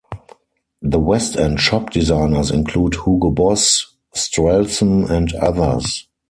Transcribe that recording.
The West End shop designers include Hugo Boss, Strellson, and others.